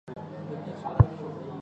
列代尔施耶德特人口变化图示